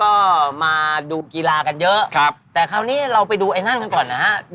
ก็มาดูกีฬากันเยอะครับแต่คราวนี้เราไปดูไอ้นั่นกันก่อนนะฮะ